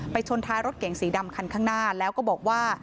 ชนท้ายรถเก๋งสีดำคันข้างหน้าแล้วก็บอกว่า